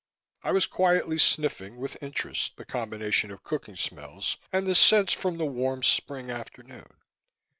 I was quietly sniffing with interest the combination of cooking smells and the scents from the warm spring afternoon.